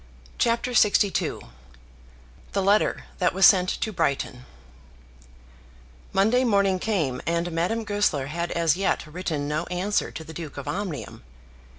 CHAPTER LXII The Letter That Was Sent to Brighton Monday morning came and Madame Goesler had as yet written no answer to the Duke of Omnium.